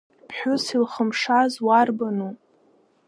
Ԥҳәыс илхымшаз уарбану?!